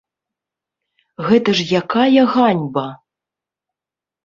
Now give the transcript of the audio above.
Гэта ж якая ганьба.